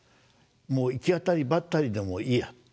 もう行き当たりばったりでもいいや。